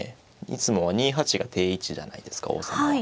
いつもは２八が定位置じゃないですか王様は。